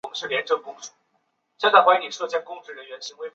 其中电流对人体的损害最直接也最大。